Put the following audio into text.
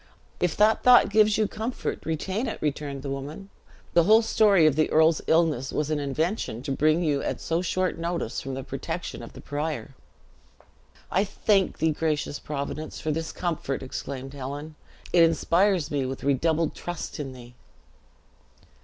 "If that thought gives you comfort, retain it," returned the woman; "the whole story of the earl's illness was an invention to bring you at so short notice from the protection of the prior." "I thank thee, gracious Providence, for this comfort!" exclaimed Helen; "it inspires me with redoubled trust in thee."